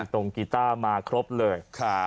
กีต้ามาครบเลย